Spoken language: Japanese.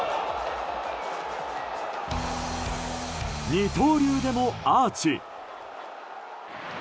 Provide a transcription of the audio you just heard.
二刀流でもアーチ。